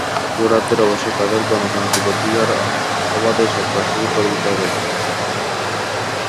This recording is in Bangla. ভোটারদের অবশ্যই তাঁদের গণতান্ত্রিক অধিকার অবাধে চর্চার সুযোগ করে দিতে হবে।